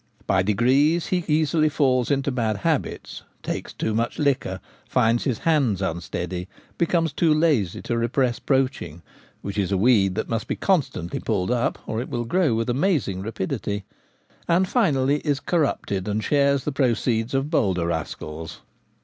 By degrees he easily falls into bad habits, takes too much liquor, finds his hands unsteady, becomes too lazy to repress poaching (which is a weed that must be constantly pulled up, or it will grow with amazing rapidity), and finally is corrupted, and shares the proceeds of bolder rascals.